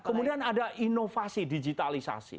kemudian ada inovasi digitalisasi